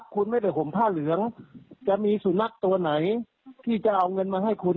คุณไม่ได้ห่มผ้าเหลืองจะมีสุนัขตัวไหนที่จะเอาเงินมาให้คุณ